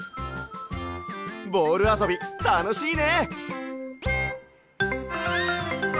ボールあそびたのしいね！